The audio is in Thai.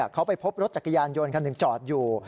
เขาไปพบรถจักรยานยนต์คันหนึ่งจอดอยู่